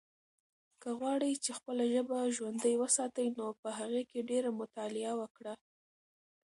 که غواړې چې خپله ژبه ژوندۍ وساتې نو په هغې کې ډېره مطالعه وکړه.